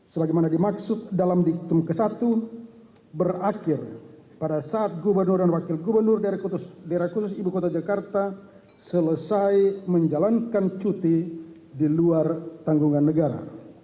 sebagaimana dimaksud dalam diktum ke satu berakhir pada saat gubernur dan wakil gubernur daerah khusus ibu kota jakarta selesai menjalankan cuti di luar tanggungan negara